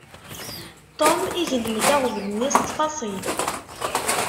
Tom iglem-d aɣbel-nni s ttfaṣil.